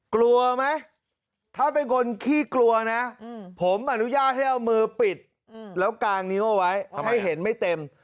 กลัวไหมถ้าเป็นคนขี้กลัวนะผมอนุญาตให้เอามือปิดแล้วกางนิ้วเอาไว้ให้เห็นไม่เต็ม